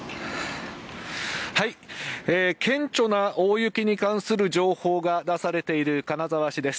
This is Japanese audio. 顕著な大雪に関する情報が出されている金沢市です。